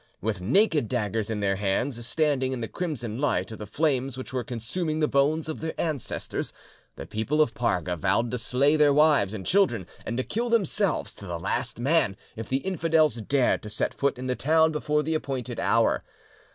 With naked daggers in their hands, standing in the crimson light of the flames which were consuming the bones of their ancestors, the people of Parga vowed to slay their wives and children, and to kill themselves to the last man, if the infidels dared to set foot in the town before the appointed hour.